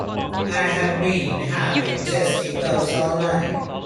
I have been having chesty coughs all night.